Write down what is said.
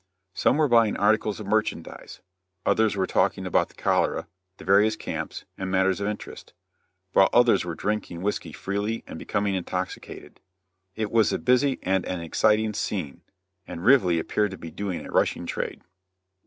Some were buying articles of merchandise; others were talking about the cholera, the various camps, and matters of interest; while others were drinking whisky freely and becoming intoxicated. It was a busy and an exciting scene, and Rively appeared to be doing a rushing trade.